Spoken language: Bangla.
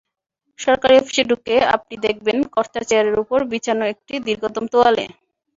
সরকারি অফিসে ঢুকে আপনি দেখবেন কর্তার চেয়ারের ওপর বিছানো একটি দীর্ঘতম তোয়ালে।